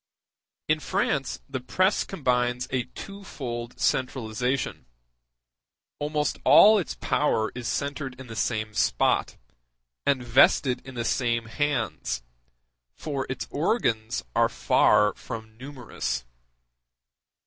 In France the press combines a twofold centralization; almost all its power is centred in the same spot, and vested in the same hands, for its organs are far from numerous.